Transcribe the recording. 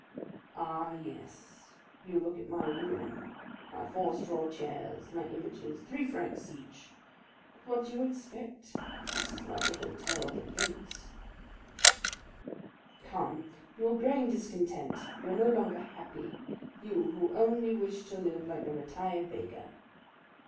Ah, yes; you look at my room, my four straw chairs, my images, three francs each. But what do you expect? This is not the Hôtel des Princes." "Come, you are growing discontented, you are no longer happy; you, who only wish to live like a retired baker."